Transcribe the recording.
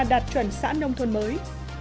đạt chuẩn xã nông thuần mới